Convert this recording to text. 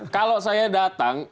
kalau saya datang